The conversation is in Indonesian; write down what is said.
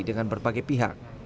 dengan berbagai pihak